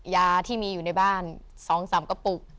ยาที่มีอยู่ในบ้าน๒๓กระปุก